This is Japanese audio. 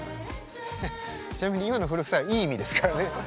ちなみに今の古臭いはいい意味ですからね。